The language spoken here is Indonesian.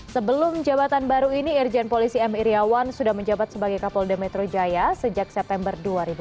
sebelum jabatan baru ini irjen polisi m iryawan sudah menjabat sebagai kapolda metro jaya sejak september dua ribu dua puluh